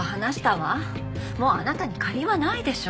もうあなたに借りはないでしょ。